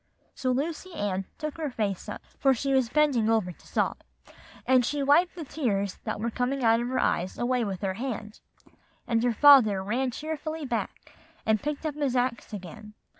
So Lucy Ann took her face up, for she was bending over to sob, and she wiped the tears that were coming out of her eyes away with her hand; and her father ran cheerfully back, and picked up his axe again.